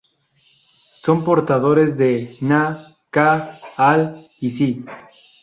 Son portadores de Na, K, Al y Si.